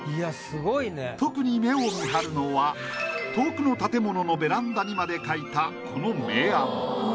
特に目をみはるのは遠くの建物のベランダにまで描いたこの明暗。